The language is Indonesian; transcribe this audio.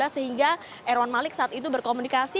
sehingga erwan malik saat itu berkomunikasi